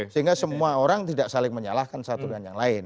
sehingga semua orang tidak saling menyalahkan satu dengan yang lain